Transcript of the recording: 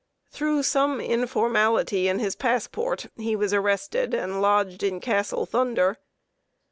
Through some informality in his passport, he was arrested and lodged in Castle Thunder.